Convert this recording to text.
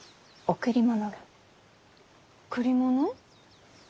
贈り物？